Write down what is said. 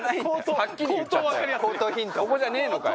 ここじゃねえのかよ。